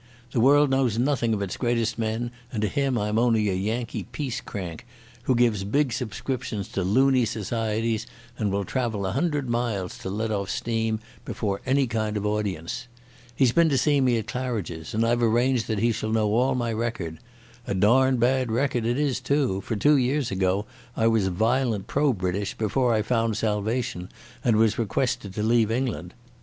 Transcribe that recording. The world knows nothing of its greatest men, and to him I'm only a Yankee peace crank, who gives big subscriptions to loony societies and will travel a hundred miles to let off steam before any kind of audience. He's been to see me at Claridge's and I've arranged that he shall know all my record. A darned bad record it is too, for two years ago I was violent pro British before I found salvation and was requested to leave England.